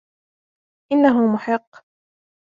إنه محق.